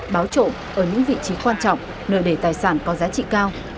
báo trộm ở những vị trí quan trọng nơi để tài sản có giá trị cao